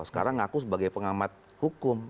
sekarang ngaku sebagai pengamat hukum